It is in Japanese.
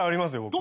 僕。